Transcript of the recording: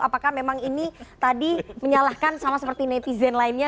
apakah memang ini tadi menyalahkan sama seperti netizen lainnya